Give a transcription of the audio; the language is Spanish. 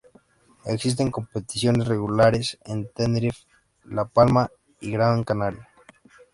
Existen competiciones regulares en Tenerife, La Palma y Gran Canaria.